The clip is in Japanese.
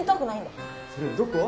それどこ？